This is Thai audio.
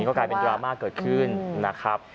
ก็กลายเป็นดราม่าเกิดขึ้นนะครับ